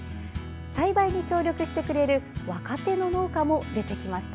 栽培に協力してくれる若手の農家も出てきました。